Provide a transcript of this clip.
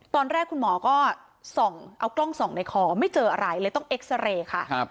ตอนแรกคุณหมอก็ส่องเอากล้องส่องในคอไม่เจออะไรเลยต้องเอ็กซาเรย์ค่ะ